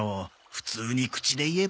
普通に口で言えば。